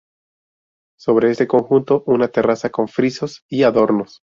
Sobre este conjunto una terraza con frisos y adornos.